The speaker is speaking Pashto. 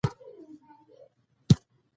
زه ناروغه یم .